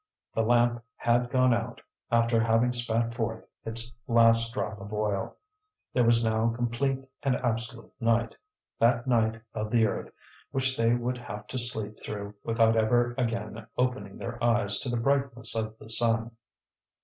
The lamp had gone out, after having spat forth its last drop of oil. There was now complete and absolute night, that night of the earth which they would have to sleep through without ever again opening their eyes to the brightness of the sun.